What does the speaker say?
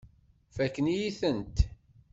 Fakkent-iyi-tent.